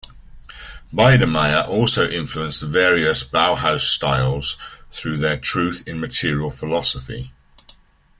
Biedermeier also influenced the various Bauhaus styles through their truth in material philosophy.